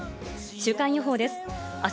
週間予報です。